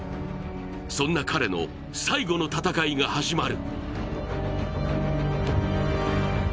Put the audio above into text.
そんな彼の最後の戦いが始まる。